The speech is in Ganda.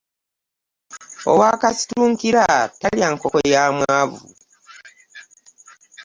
Owa kasitukira talya nkonko ya mwavu .